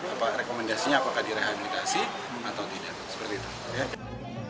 apa rekomendasinya apakah direhabilitasi atau tidak